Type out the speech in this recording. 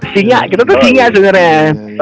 singa kita tuh singa sebenernya